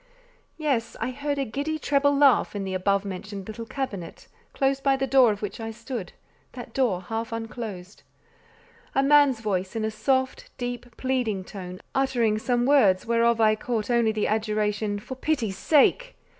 Yes; I heard a giddy treble laugh in the above mentioned little cabinet, close by the door of which I stood—that door half unclosed; a man's voice in a soft, deep, pleading tone, uttered some, words, whereof I only caught the adjuration, "For God's sake!"